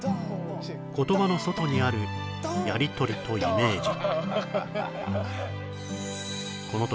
言葉の外にあるやり取りとイメージ